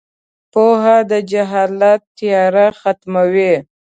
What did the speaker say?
• پوهه د جهالت تیاره ختموي.